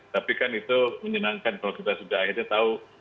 tapi kan itu menyenangkan kalau kita sudah akhirnya tahu